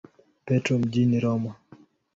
Petro mjini Roma.